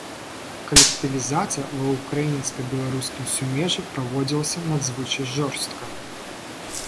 Калектывізацыя ва ўкраінска-беларускім сумежжы праводзілася надзвычай жорстка.